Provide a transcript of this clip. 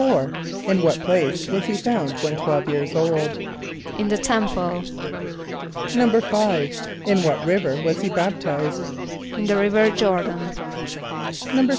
= In what place was he found when twelve years old? =In the temple.= =5.= In what river was he baptized? =In the river Jôr´dan.= =6.